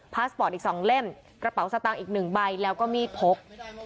พาสปอร์ตอีก๒เล่มกระเป๋าสตางค์อีก๑ใบแล้วก็มีดพก